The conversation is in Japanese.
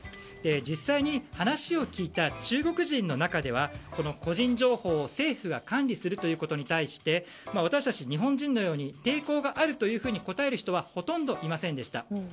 実際に、話を聞いた中国人の中ではこの個人情報を政府が管理するということに対して私たち日本人のように、抵抗があるというふうに答える人はほとんどいませんでした。